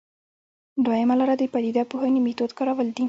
دویمه لاره د پدیده پوهنې میتود کارول دي.